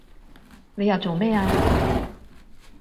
你又做咩啊